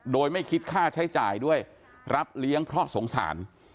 โดยไม่คิดค่าใช้จ่ายด้วยรับเลี้ยงเพราะสงสาร